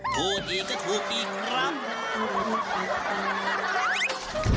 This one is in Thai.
พูดดีก็ถูกดีครับ